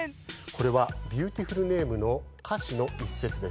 これは「ビューティフル・ネーム」のかしのいっせつです。